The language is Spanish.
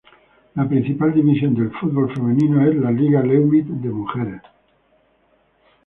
La principal división del fútbol femenino es la Liga Leumit de Mujeres.